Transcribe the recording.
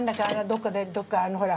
どっかでどっかあのほら。